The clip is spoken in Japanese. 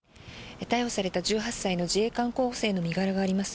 逮捕された１８歳の自衛官候補生の身柄があります